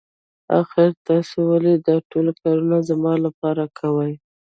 آخر تاسو ولې دا ټول کارونه زما لپاره کوئ.